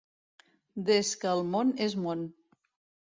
Des que el món és món.